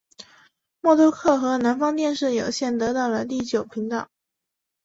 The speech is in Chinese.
默多克和南方电视有线得到了第九频道。